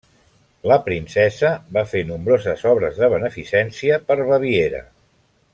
La princesa va fer nombroses obres de beneficència per Baviera.